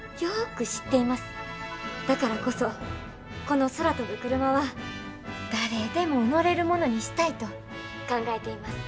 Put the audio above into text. だからこそこの空飛ぶクルマは誰でも乗れるものにしたいと考えています。